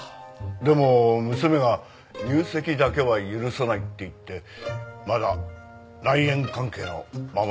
でも娘が入籍だけは許さないって言ってまだ内縁関係のままなんです。